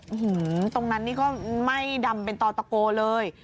อื้อหือตรงนั้นนี่ก็ไหม้ดำเป็นตอตะโกเลย